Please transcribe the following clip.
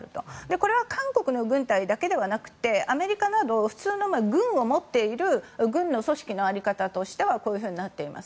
これは韓国の軍隊だけではなくてアメリカなど普通の軍を持っている軍の組織の在り方としてはこういうふうになっています。